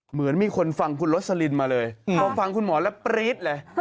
เหมือนมีคนฟังคุณโรสลินมาเลยพอฟังคุณหมอแล้วปรี๊ดเลย